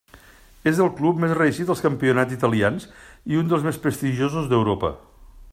És el club més reeixit als campionats italians i un dels més prestigiosos d'Europa.